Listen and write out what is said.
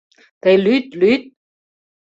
— Тый лӱд, лӱд!